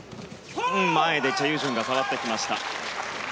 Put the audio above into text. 前でチェ・ユジュンが触ってきました。